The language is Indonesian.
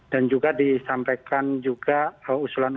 dan juga disampaikan juga usulan usulan